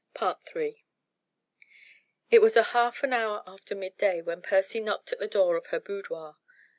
III It was half an hour after midday when Percy knocked at the door of her boudoir.